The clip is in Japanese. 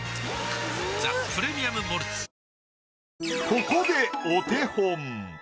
ここでお手本。